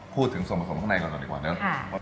พูดถึงส่วนผสมข้างในก่อนดีกว่าเนอะ